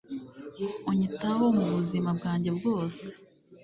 unyitaho mu buzima bwanjye bwose